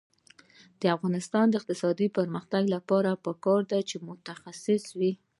د افغانستان د اقتصادي پرمختګ لپاره پکار ده چې متخصصین وي.